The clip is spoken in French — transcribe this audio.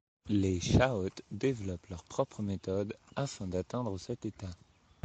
Les chaotes développent leur propres méthodes afin d'atteindre cet état.